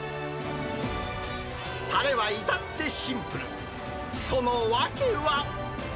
たれはいたってシンプル、その訳は。